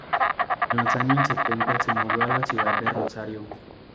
En los años setenta se mudó a la ciudad de Rosario.